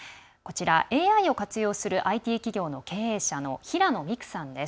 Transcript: ＡＩを活用するＩＴ企業の経営者の平野未来さんです。